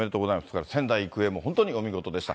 それから仙台育英も本当にお見事でした。